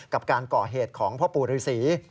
กับการก่อเหตุของพ่อปู่ฤษี